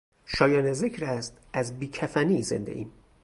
شایان ذکر است از بی کفنی زنده ایم